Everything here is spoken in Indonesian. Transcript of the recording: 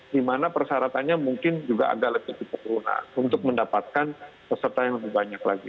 di mana persyaratannya mungkin juga agak lebih cepat untuk mendapatkan peserta yang lebih banyak lagi